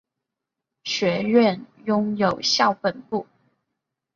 学院拥有校本部。